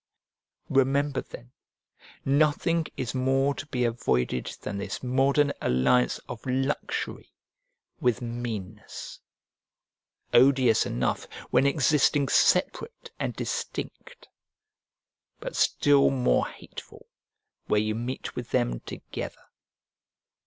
Remember, then, nothing is more to be avoided than this modern alliance of luxury with meanness; odious enough when existing separate and distinct, but still more hateful where you meet with them together.